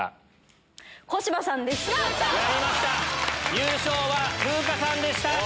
優勝は風花さんでした。